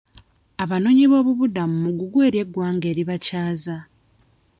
Abanoonyiboobubudamu mugugu eri eggwanga eribakyaza.